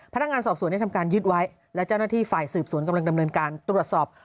พนักงานสอบสวนได้ทำการยึดไว้และเจ้าหน้าที่ฝ่ายสืบสวนกำลังดำเนินการตรวจสอบ